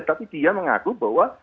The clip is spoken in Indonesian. tapi dia mengaku bahwa